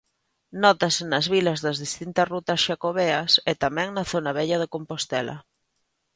Nótase nas vilas das distintas rutas xacobeas e tamén na zona vella de Compostela.